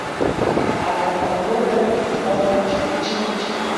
Akapakunatam tutapa chinichinchik.